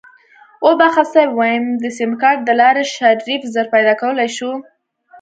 وبښه صيب ويم د سيمکارټ دلارې شريف زر پيدا کولی شو.